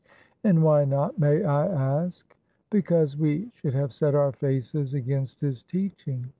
"And why not, may I ask?" "Because we should have set our faces against his teaching.